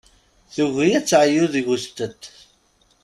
Tugi ad teɛyu deg usettet.